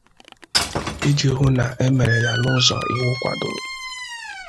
iji hụ na e mere ya n'ụzọ iwu kwàdòrò